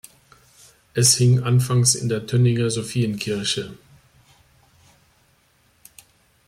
Es hing anfangs in der Tönninger Sophienkirche.